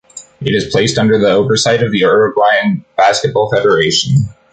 It is placed under the oversight of the Uruguayan Basketball Federation.